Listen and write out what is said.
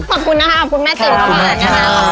ขอบคุณนะคะขอบคุณแม่จริงขอบคุณค่ะ